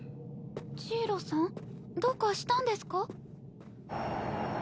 ジイロさんどうかしたんですか？